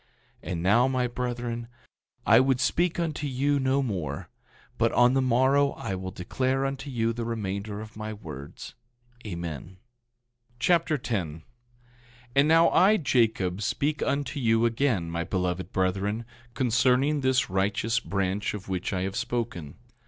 9:54 And now, my brethren, I would speak unto you more; but on the morrow I will declare unto you the remainder of my words. Amen. 2 Nephi Chapter 10 10:1 And now I, Jacob, speak unto you again, my beloved brethren, concerning this righteous branch of which I have spoken.